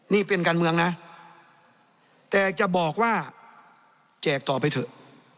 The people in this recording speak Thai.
นี่เป็นการเมืองนะแต่จะบอกว่าแจกต่อไปเถอะ